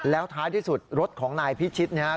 แล้วท้ายที่สุดรถของนายพิชิตนะครับ